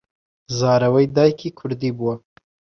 زاراوەی دایکی کوردی بووە